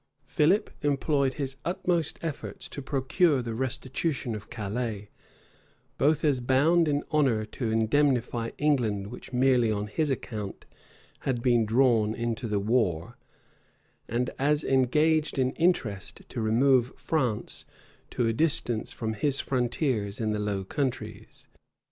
Philip employed his utmost efforts to procure the restitution of Calais, both as bound in honor to indemnify England which merely on his account had been drawn into the war; and as engaged in interest to remove France to a distance from his frontiers in the Low Countries.